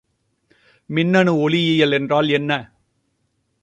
மின்னணு ஒளிஇயல் என்றால் என்ன?